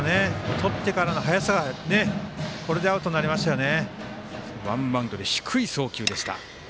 とってからの速さでこれでアウトになりましたよね。